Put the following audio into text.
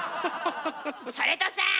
それとさぁ。